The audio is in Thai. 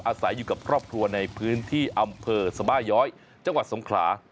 อาศัยอยู่กับครอบครัวในพื้นที่อำเภอสบาย้อยจังหวัดสงขลา